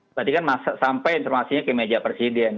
berarti kan sampai informasinya ke meja presiden